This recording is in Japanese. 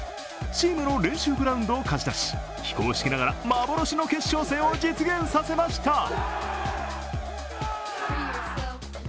チームの練習グラウンドを貸し出し非公式ながら幻の決勝戦を実現させました。